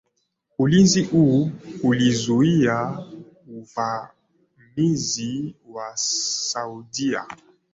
Ulinzi huu ulizuia uvamizi wa Saudia